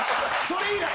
それ以来。